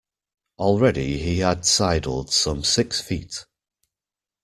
Already he had sidled some six feet.